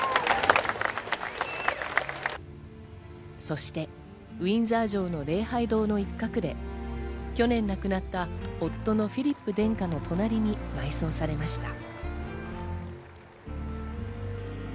そして、ウィンザー城の礼拝堂の一角で去年亡くなった夫のフィリップ殿下の隣に埋葬されました。